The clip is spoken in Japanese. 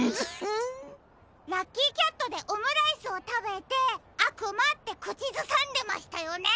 ラッキーキャットでオムライスをたべて「あくま」ってくちずさんでましたよね？